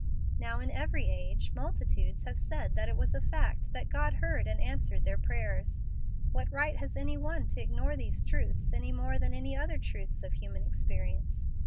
Now in every age multitudes have said that it was a fact that God heard and answered their prayers. What right has any one to ignore these truths any more than any other truths of human experience?